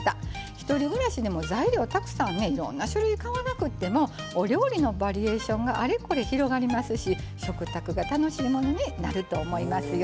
１人暮らしでも材料たくさんねいろんな種類買わなくてもお料理のバリエーションがあれこれ広がりますし食卓が楽しいものになると思いますよ。